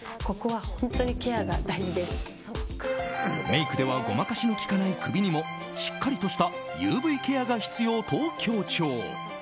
メイクではごまかしのきかない首にもしっかりとしたＵＶケアが必要と強調。